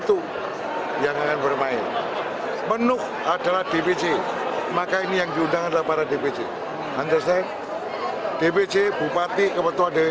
puan maharani meminta kadernya kembali memenangkan pemilu agar pdi perjuangan menang tiga kali secara berturut turut